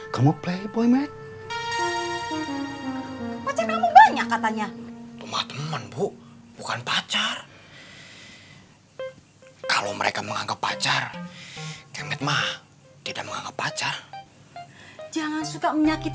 sampai jumpa di video selanjutnya